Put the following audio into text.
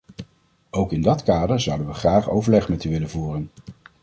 Ook in dat kader zouden we graag overleg met u willen voeren.